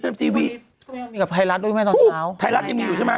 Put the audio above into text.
ก็ยังมีกับไทรัศน์ด้วยไหมตอนเช้าฮู้ไทรัศน์ยังมีอยู่ใช่ไหม